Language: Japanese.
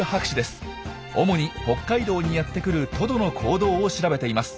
主に北海道にやって来るトドの行動を調べています。